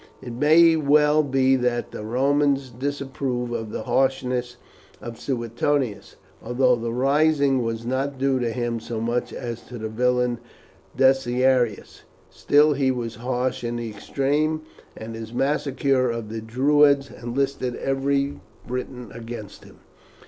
It may well be that the Romans disapprove of the harshness of Suetonius, although the rising was not due to him so much as to the villain Decianus. Still he was harsh in the extreme, and his massacre of the Druids enlisted every Briton against him.